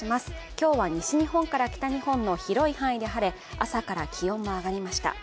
今日は西日本から北日本の広い範囲で晴れ、朝から気温も上がりました。